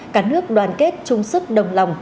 cả nước đoàn kết trung sức đồng lòng